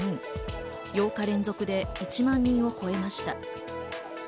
８日連続で１万人を超えました。